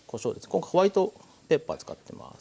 今回ホワイトペッパー使ってます。